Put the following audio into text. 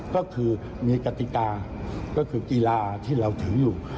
ก็คือมีกติกาก็คือกีฬาที่เราถืออยู่